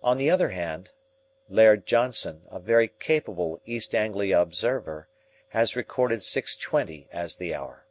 On the other hand, Laird Johnson, a very capable East Anglia observer, has recorded six twenty as the hour.